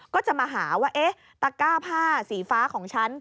ก็จะมาหาว่าเอ๊ะตะก้าผ้าสีฟ้าของฉัน